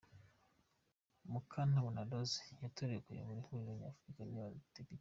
Mukantabana Rose yatorewe kuyobora Ihuriro Nyafurika ry’Abadepite